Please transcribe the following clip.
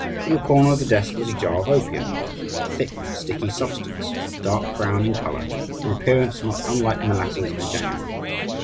In a corner of the desk was a jar of opium, a thick, sticky substance, dark brown in colour, in appearance not unlike molasses in January.